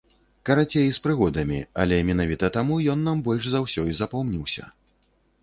Карацей, з прыгодамі, але менавіта таму ён нам больш за ўсё і запомніўся.